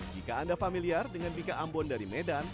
jika anda familiar dengan bika ambon dari medan